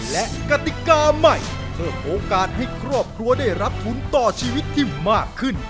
และกติกาใหม่เพิ่มโอกาสให้ครอบครัวได้รับทุนต่อชีวิตที่มากขึ้น